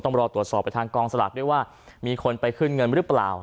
ต้องรอตรวจสอบไปทางกองสลากด้วยว่ามีคนไปขึ้นเงินหรือเปล่า